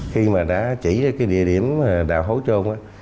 khi mà đã chỉ ra cái địa điểm đào hố trôn